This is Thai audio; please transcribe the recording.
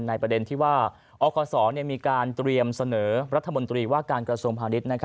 ประเด็นที่ว่าอคศมีการเตรียมเสนอรัฐมนตรีว่าการกระทรวงพาณิชย์